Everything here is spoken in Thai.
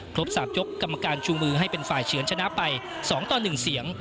ครบ๓ยกกรรมการชูมือให้เป็นฝ่ายเฉือนชนะไป๒ต่อ๑เสียง